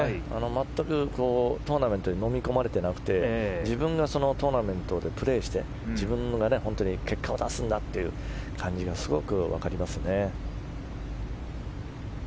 全くトーナメントにのみ込まれてなくて自分がそのトーナメントでプレーして自分が結果を出すんだという感じがすごく分かりますね。